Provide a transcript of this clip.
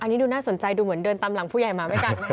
อันนี้ดูน่าสนใจดูเหมือนเดินตามหลังผู้ใหญ่มาไม่ทัน